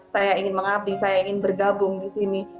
saya ingin mengabdi saya ingin bergabung disini